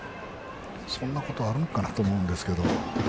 そんなことあるんかなと思うんですけど。